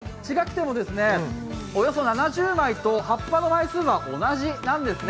大きさは違くてもおよそ７０枚と葉っぱの枚数は同じなんですね。